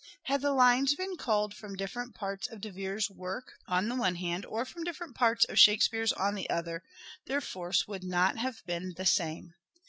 Had the lines been culled from different parts of De Vere's work on the one hand, or from different parts of Shakespeare's on the other, their force would not have been the same.